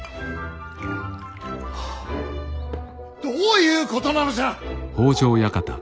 どういうことなのじゃ！